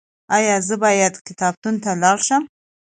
ایا زه باید کتابتون ته لاړ شم؟